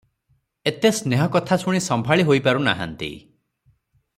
ଏତେ ସ୍ନେହ କଥା ଶୁଣି ସମ୍ଭାଳି ହୋଇ ପାରୁ ନାହିଁ ।